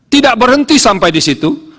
tidak berhenti sampai di situ